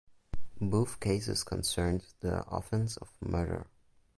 Both cases concerned the offence of murder.